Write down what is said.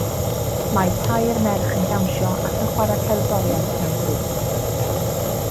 Mae tair merch yn dawnsio ac yn chwarae cerddoriaeth mewn grŵp